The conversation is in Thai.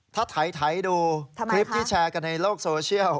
ถ้าไถดูคลิปที่แชร์กันในโลกโซเชียล